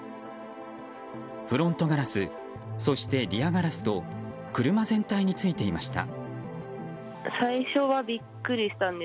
フロントガラスそしてリアガラスと車全体についていました。